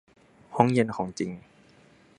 ห้องเย็นของจริง